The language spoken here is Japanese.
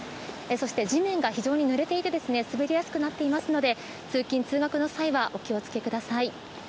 そして地面が非常にぬれていて滑りやすくなっていますので通勤、通学の際はお気を付けください。